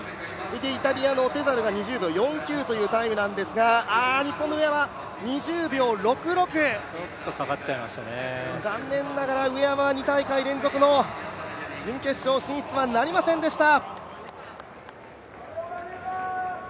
イタリアの選手が２０秒４９というタイムなんですが日本の上山、２０秒６６、残念ながら上山は２大会連続の準決勝進出はなりませんでした。